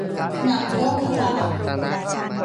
หนังโรคระบาด